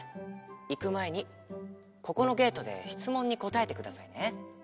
いくまえにここのゲートでしつもんにこたえてくださいね。